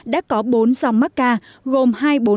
đã có bốn dòng macca gồm hai trăm bốn mươi sáu tám trăm một mươi sáu